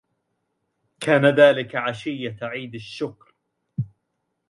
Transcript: كان ذلك عشيّة عيد الشّكر.